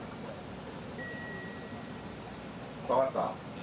分かった？